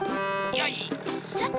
よいしょ！